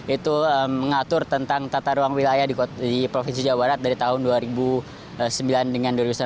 itu mengatur tentang tata ruang wilayah di provinsi jawa barat dari tahun dua ribu sembilan dengan dua ribu sembilan belas